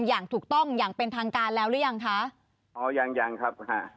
อย่างถูกต้องอย่างเป็นทางการแล้วหรือยังคะอ๋อยังยังครับค่ะ